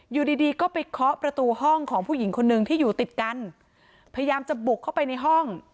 อยู่ดีดีก็ไปเคาะประตูห้องของผู้หญิงคนนึงที่อยู่ติดกันพยายามจะบุกเข้าไปในห้อง